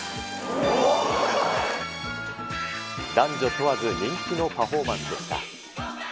男女問わず人気のパフォーマンスでした。